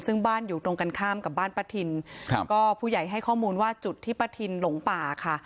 ซึ่งบ้านอยู่ตรงกันข้ามกับบ้านป้าทินครับก็ผู้ใหญ่ให้ข้อมูลว่าจุดที่ป้าทินหลงป่าค่ะ